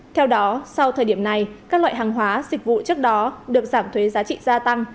theo đó sau thời điểm này các loại hàng hóa dịch vụ trước đó được giảm thuế giá trị gia tăng